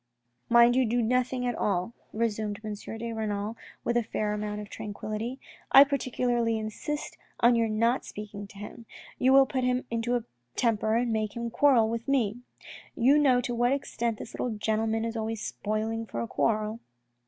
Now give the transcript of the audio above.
" Mind you do nothing at all," resumed M. de Renal with a fair amount of tranquillity. " I particularly insist on your not speaking to him. You will put him into a temper and make him quarrel with me. You know to what extent this little gentleman is always spoiling for a quarrel."